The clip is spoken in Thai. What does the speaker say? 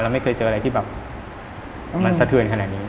ไม่เคยเจออะไรที่แบบมันสะเทือนขนาดนี้